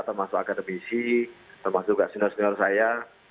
termasuk akademisi termasuk asin asin dari saya